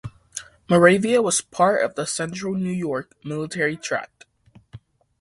Moravia was part of the Central New York Military Tract.